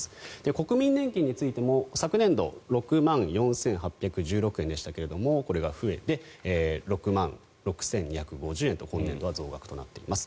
国民年金についても昨年度、６万４８１６円でしたがこれが増えて、６万６２５０円と今年度は増額となっています。